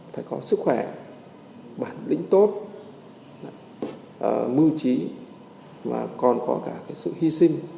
phải có sức khỏe bản lĩnh tốt mưu trí mà còn có cả cái sự hy sinh